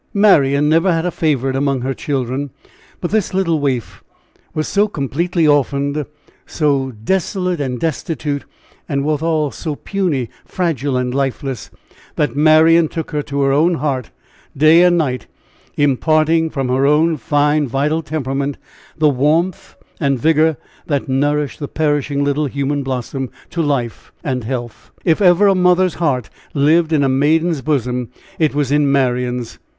Marian never had a favorite among her children, but this little waif was so completely orphaned, so desolate and destitute, and withal so puny, fragile and lifeless that Marian took her to her own heart day and night, imparting from her own fine vital temperament the warmth and vigor that nourished the perishing little human blossom to life and health. If ever a mother's heart lived in a maiden's bosom, it was in Marian's.